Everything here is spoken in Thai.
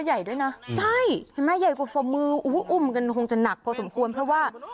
เห็นมั้ยใหญ่คู่อุ้มกันคงจะหนักพอสมควรเพราะว่า